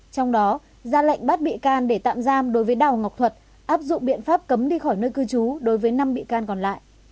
trong đó ra lệnh bắt bị can để tạm giam đối với đào ngọc thuật áp dụng biện pháp cấm đi khỏi nơi cư trú đối với năm bị can còn lại